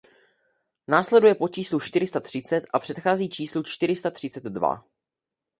Následuje po číslu čtyři sta třicet a předchází číslu čtyři sta třicet dva.